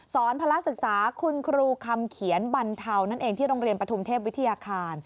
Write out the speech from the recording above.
ภาระศึกษาคุณครูคำเขียนบรรเทานั่นเองที่โรงเรียนปฐุมเทพวิทยาคาร